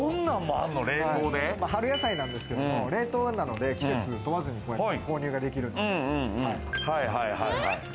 春野菜なんですけども、冷凍なので季節問わずに購入ができる。